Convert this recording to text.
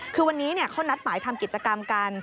คือวันนี้เขานัดหมายทำกิจกรรมกัน